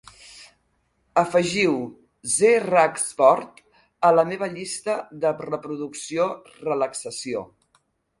Afegiu "ze rak sport" a la meva llista de reproducció "relaxació"